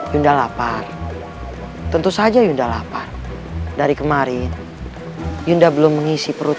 yunda lapar tentu saja sudah lapar dari kemarin yunda belum mengisi perut